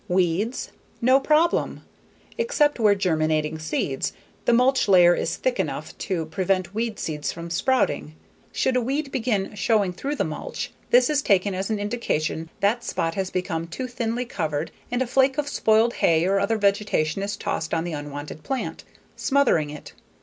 Weeds? No problem! Except where germinating seeds, the mulch layer is thick enough to prevent weed seeds from sprouting. Should a weed begin showing through the mulch, this is taken as an indication that spot has become too thinly covered and a flake of spoiled hay or other vegetation is tossed on the unwanted plant, smothering it.